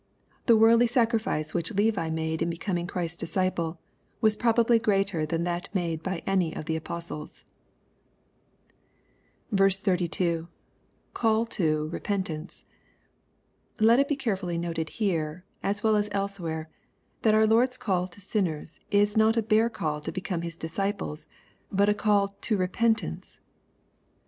The worldly sacrifice which Levi made in be coming Christ's disciple, was probably greater than that made by any of the apostles. «^ 32. — [CdH^io repentance.] Let it be carefully noted here, as well aa elsewhere, that our Lord's call to sinners is not a bare call to be come his disciples, but a call " to repentance."